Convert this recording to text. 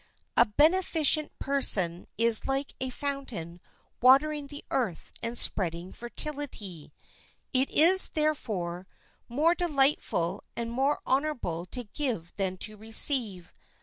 A beneficent person is like a fountain watering the earth and spreading fertility; it is, therefore, more delightful and more honorable to give than to receive.